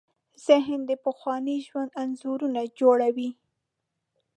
ذهن د پخواني ژوند انځورونه جوړوي.